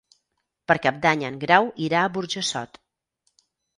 Per Cap d'Any en Grau irà a Burjassot.